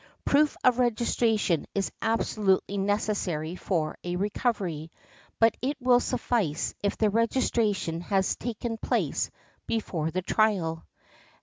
Proof of registration is absolutely necessary for a recovery; but it will suffice if the registration has taken place before the trial .